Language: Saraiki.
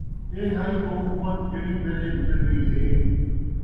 اِیہ ہئی او اُمّت جِہڑی پہلے گزر ڳئی ہے،